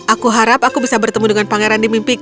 aku harap aku bisa bertemu dengan pangeran di mimpiku